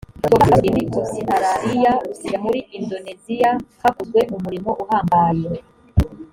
ubwo bwato bwasubiye muri ositaraliya busiga muri indoneziya hakozwe umurimo uhambaye